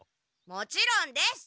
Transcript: もちろんです！